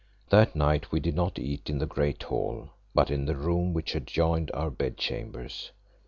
That night we did not eat in the great hall, but in the room which adjoined our bed chambers.